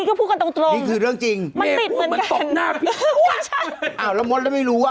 คือหมายถึงว่ามันติดเชื้อทางน้ำลายอะไรอย่างเงี้ย